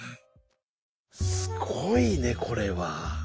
すごいねこれは。